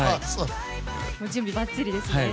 準備ばっちりですね。